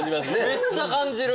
めっちゃ感じる。